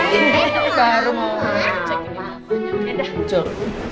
sekarang mau mama cek ini